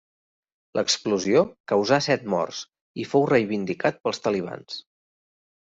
L'explosió causà set morts i fou reivindicat pels talibans.